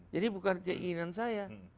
jadi bukan keinginan saya